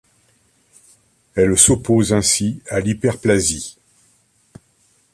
Elle s'oppose ainsi à l'hyperplasie.